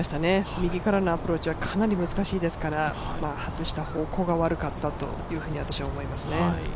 右からのアプローチはかなり難しいですから外した方向が悪かったと私は思いますね。